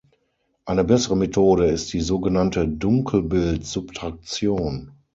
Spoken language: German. Eine bessere Methode ist die sogenannte Dunkelbild-Subtraktion.